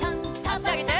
あしあげて。